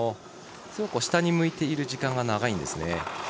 下に向いている時間が長いんです。